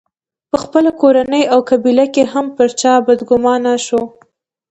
په خپله کورنۍ او قبیله کې هم پر چا بدګومان شو.